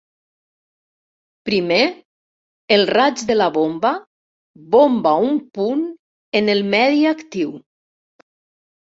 Primer, el raig de la bomba bomba un punt en el medi actiu.